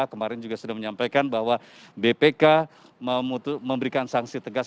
kemarin juga sudah menyampaikan bahwa bpk memberikan sanksi tegas